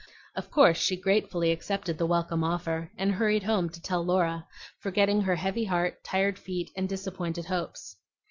Of course she gratefully accepted the welcome offer, and hurried home to tell Laura, forgetting her heavy heart, tired feet, and disappointed hopes.